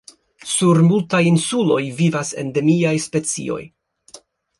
Sur multaj insuloj vivas endemiaj specioj.